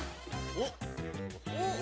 おっ。